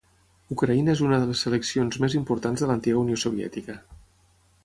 Ucraïna és una de les seleccions més importants de l'antiga Unió Soviètica.